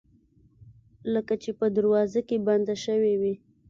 لکه چې په دروازه کې بنده شوې وي